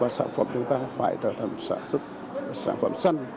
sản phẩm chúng ta phải trở thành sản xuất sản phẩm xanh